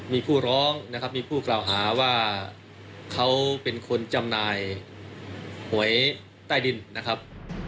มีผู้ร้องนะครับมีผู้กล่าวหาว่าเขาเป็นคนจำหน่ายหวยใต้ดินนะครับ